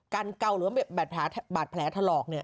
การเก่าหรือบาดแผลถลอก